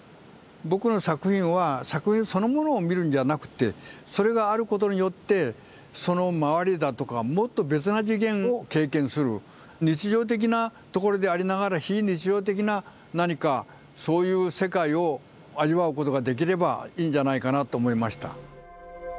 僕の作品は作品そのものを見るんじゃなくてそれがあることによってその周りだとかもっと別な次元を経験する日常的なところでありながら非日常的な何かそういう世界を味わうことができればいいんじゃないかなと思いました。